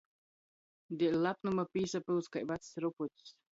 Deļ lapnuma pīsapyuts kai vacs rupucs.